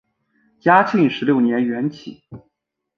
嘉庆十六年园寝。